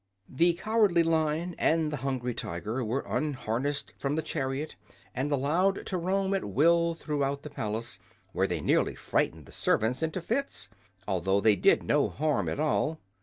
The Cowardly Lion and the Hungry Tiger were unharnessed from the chariot and allowed to roam at will throughout the palace, where they nearly frightened the servants into fits, although they did no harm at all.